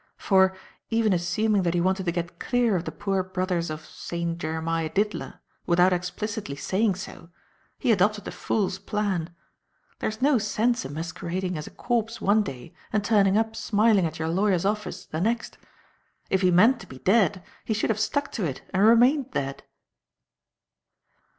For, even assuming that he wanted to get clear of the Poor Brothers of Saint Jeremiah Diddler without explicitly saying so, he adopted a fool's plan. There is no sense in masquerading as a corpse one day and turning up smiling at your lawyer's office the next. If he meant to be dead, he should have stuck to it and remained dead."